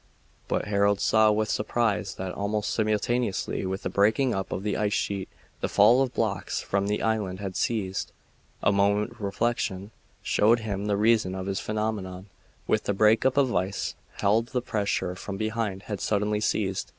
But Harold saw with surprise that, almost simultaneously with the breaking up of the ice sheet, the fall of blocks from the island had ceased. A moment's reflection showed him the reason of this phenomenon. With the break up of the ice field the pressure from behind had suddenly ceased.